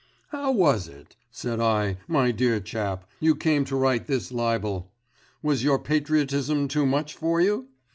'"How was it," said I, "my dear chap, you came to write this libel? Was your patriotism too much for you?"